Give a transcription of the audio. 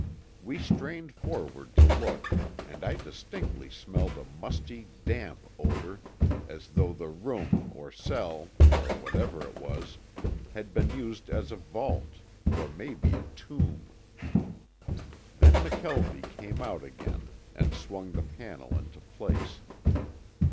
We strained forward to look, and I distinctly smelled a musty, damp odor, as though the room or cell, or whatever it was, had been used as a vault, or maybe a tomb. Then McKelvie came out again and swung the panel into place.